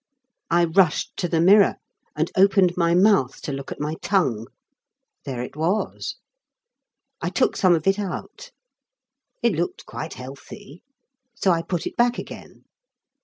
I rushed to the mirror and opened my mouth to look at my tongue. There it was. I took some of it out. It looked quite healthy, so I put it back again.